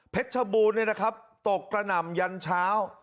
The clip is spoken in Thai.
เพชรบูนตกกระหน่ำยันเช้า